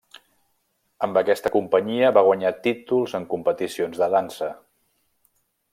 Amb aquesta companyia va guanyar títols en competicions de dansa.